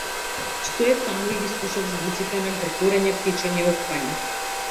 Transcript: Стоев таму и ги слушав звуците на гргорење, течење, офкање.